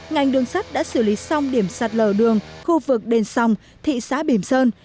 ngành đường sắt đã xử lý xong điểm sắt lờ đường khu vực đền sông thị xá bìm sơn